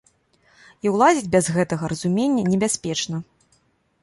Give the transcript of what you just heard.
І ўлазіць без гэтага разумення небяспечна.